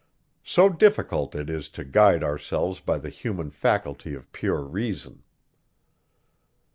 So difficult is it to guide ourselves by the human faculty of pure reason.